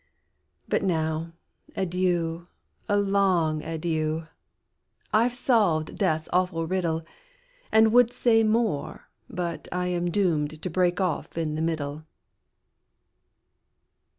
"But now, adieu a long adieu! I've solved death's awful riddle, And would say more, but I am doomed To break off in the middle!"